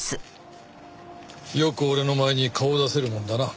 よく俺の前に顔を出せるもんだな。